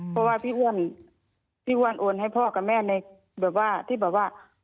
เพราะว่าพี่อ้วนพี่อ้วนโอนให้พ่อกับแม่ในแบบว่าที่แบบว่า